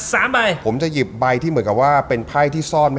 สามใบผมจะหยิบใบที่เหมือนกับว่าเป็นไพ่ที่ซ่อนไว้